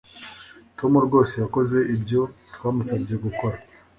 Tom rwose yakoze ibyo twamusabye gukora